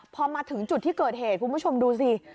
พอมาถึงจุดที่เกิดเหตุคุณผู้ชมดูสิ